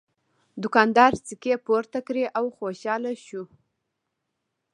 دوکاندار سکې پورته کړې او خوشحاله شو.